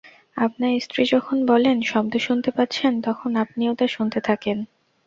আপনার স্ত্রী যখন বলেন শব্দ শুনতে পাচ্ছেন, তখন আপনিও তা শুনতে থাকেন।